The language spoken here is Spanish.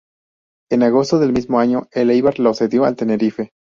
En agosto del mismo año el Eibar lo cedió al Tenerife.